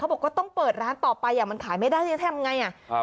บอกว่าต้องเปิดร้านต่อไปอ่ะมันขายไม่ได้จะทำไงอ่ะครับ